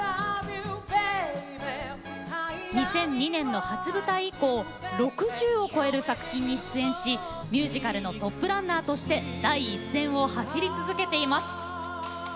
２００２年の初舞台以降６０を超える作品に出演しミュージカルのトップランナーとして第一線を走り続けています。